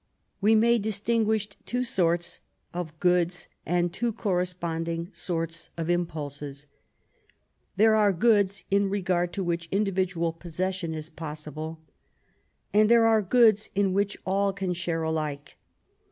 We may distinguish two sorts of goods, and two corresponding sorts of impulses. There are goods in regard to which individual possession is possible, and there are goods in which all can share alike.